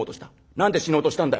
何で死のうとしたんだよ。